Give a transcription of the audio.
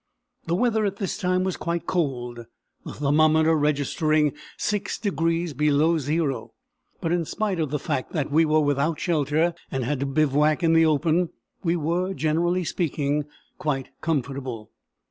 The weather at this time was quite cold, the thermometer registering 6 degrees below zero; but, in spite of the fact that we were without shelter and had to bivouac in the open, we were, generally speaking, quite comfortable.